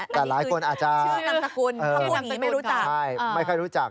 แต่หลายคนอาจจะชื่อกันตะกุลพวกนี้ไม่รู้จักใช่ไม่ค่อยรู้จัก